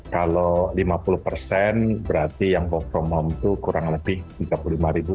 kalau lima puluh persen berarti yang wfh itu kurang lebih tiga puluh lima ribu